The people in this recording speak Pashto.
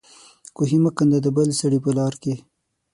کوهي مه کېنده د بل سړي په لار کې